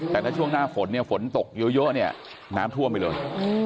แต่ถ้าช่วงหน้าฝนฝนตกเยอะน้ำท่วมไปเลย